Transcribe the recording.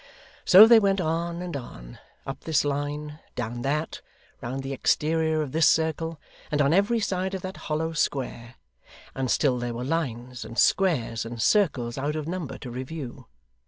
So they went on and on, up this line, down that, round the exterior of this circle, and on every side of that hollow square; and still there were lines, and squares, and circles out of number to review.